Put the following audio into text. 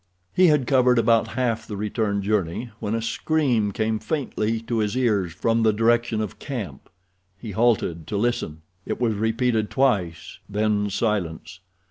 He had covered about half the return journey when a scream came faintly to his ears from the direction of camp. He halted to listen. It was repeated twice. Then silence.